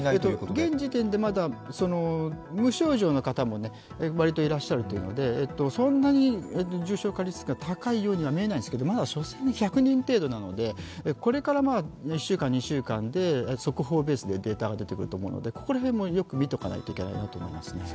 現時点でまだ無症状の方も割といらっしゃるので、そんなに重症化リスクが高いようには見えないんですけど、まだ所詮１００人程度なのでこれから１週間、２週間で速報ベースでデータが出てくると思うのでここら辺も、よく見ておかないといけないと思います。